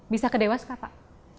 bisa ke dewas kak pak